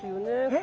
え？